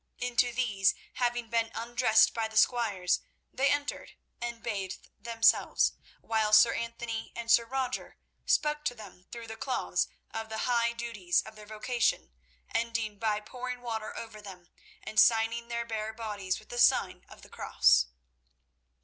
Into these, having been undressed by the squires, they entered and bathed themselves, while Sir Anthony and Sir Roger spoke to them through the cloths of the high duties of their vocation, ending by pouring water over them, and signing their bare bodies with the sign of the Cross.